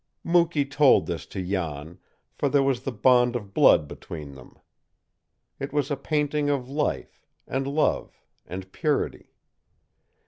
Mukee told this to Jan, for there was the bond of blood between them. It was a painting of life, and love, and purity.